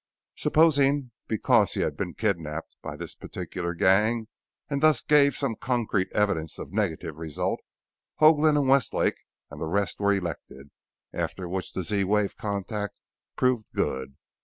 Supposing because he had been kidnaped by this particular gang and thus gave some concrete evidence of negative result, Hoagland and Westlake and the rest were elected after which the Z wave contact proved good?